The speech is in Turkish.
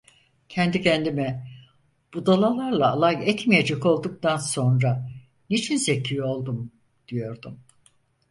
Kendi kendime: "Budalalarla alay etmeyecek olduktan sonra niçin zeki oldum?" diyordum.